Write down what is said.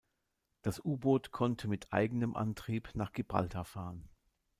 Das U-Boot konnte mit eigenem Antrieb nach Gibraltar fahren.